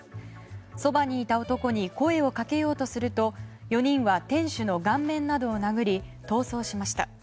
そばにいた男に声をかけようとすると４人は店主の顔面などを殴り逃走しました。